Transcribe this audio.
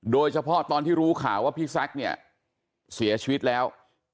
โดยเฉพาะตอนที่รู้ข่าวว่าพี่แซคเนี่ยเสียชีวิตแล้ว